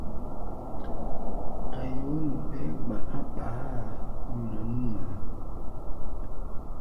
A̧ yoó nu, ɓɛɛ́ gba̧á̧ ɓaá-a nyuna nú ŋmaa.